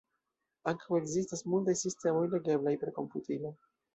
Ankaŭ ekzistas multaj sistemoj legeblaj per komputilo.